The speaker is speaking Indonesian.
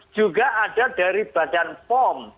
juga ada dari badan pom